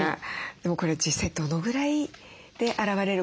でもこれは実際どのぐらいで現れるものでしょうか？